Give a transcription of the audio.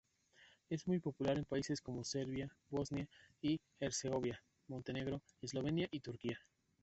Es muy popular en países como Serbia, Bosnia y Herzegovina, Montenegro, Eslovenia y Turquía.